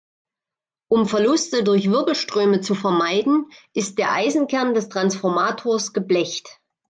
Um Verluste durch Wirbelströme zu vermeiden, ist der Eisenkern des Transformators geblecht.